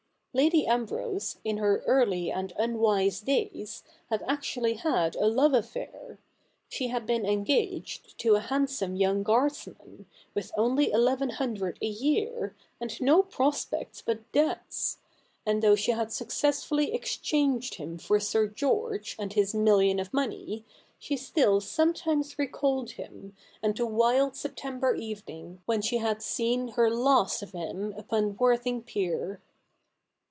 Lady Ambrose, in her early and unwise days, had actually had a love affair. She had been engaged to a handsome young Guardsman, with only eleven hundred a year, and no prospects but debts ; and though she had successfully exchanged him for Sir (ieorge and his million of money, she still sometimes recalled him, and the wild Si?ptember evening when she had seen her last of him upon Worthing pier.